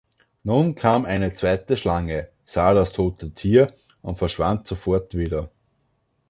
Nun kam eine zweite Schlange, sah das tote Tier und verschwand sofort wieder.